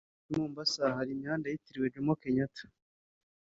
I Mombasa hari imihanda yitiriwe Jomo Kenyatta